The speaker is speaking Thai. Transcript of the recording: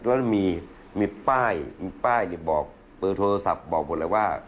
แล้วมีป้ายมีป้ายบอกเบอร์โทรศัพท์บอกหมดเลยว่า